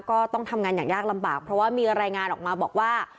ก็ต้องทำงานอย่างยากลำบากเพราะว่ามีรายงานออกมาบอกว่า